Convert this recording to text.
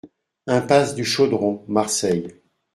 Impasse du Chaudron, Marseille